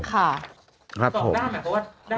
๒ด้านหมายความว่า